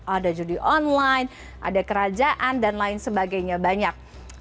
ada judi online ada kerajaan dan lain sebagainya banyak